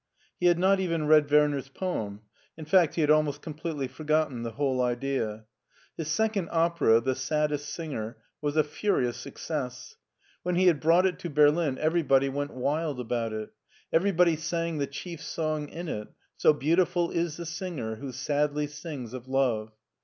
He had not even read Werner's poem; in fact he had almost completely forgotten the whole idea* His second opera, " The Saddest Singer," was a furious success. When he had brought it to Berlin everybody went wild about it Everybody sang thp chief song in it— * "So beautiful is the singer Who sadly sings of love."